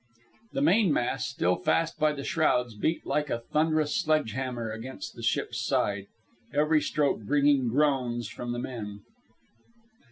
The mainmast, still fast by the shrouds, beat like a thunderous sledge hammer against the ship's side, every stroke bringing groans from the men.